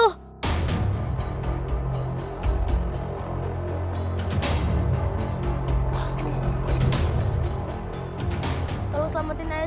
tadi ayah saya dicekik sama hantu budeg beneran itu